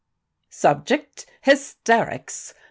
"Subject: Hysterics!"